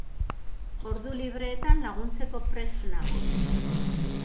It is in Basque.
Ordu libreetan laguntzeko prest nago.